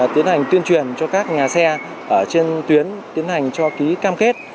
tiến hành tuyên truyền cho các nhà xe ở trên tuyến tiến hành cho ký cam kết